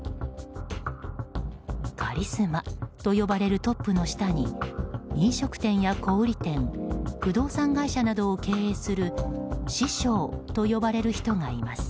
カリスマと呼ばれるトップの下に飲食店や小売店不動産会社などを経営する師匠と呼ばれる人がいます。